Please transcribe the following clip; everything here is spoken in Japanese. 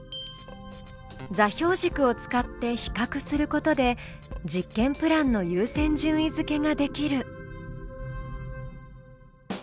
座標軸を使って比較することで実験プランの優先順位づけができる。